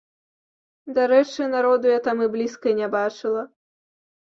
Дарэчы, народу я там і блізка не бачыла.